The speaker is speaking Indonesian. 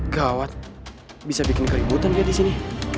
gawat bisa bikin keributan dia di sini